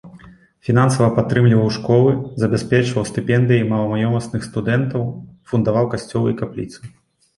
Фінансава падтрымліваў школы, забяспечваў стыпендыяй маламаёмасных студэнтаў, фундаваў касцёлы і капліцы.